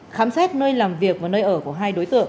khám xét nơi làm việc và nơi ở của hai đối tượng